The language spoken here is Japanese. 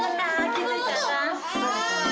気付いちゃった？